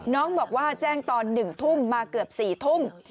น้องบอกว่าแจ้งตอน๑ทุ่มมาเกือบ๔ทุ่ม